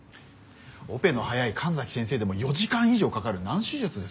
オペの速い神崎先生でも４時間以上かかる難手術です。